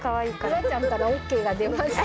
夕空ちゃんからＯＫが出ました。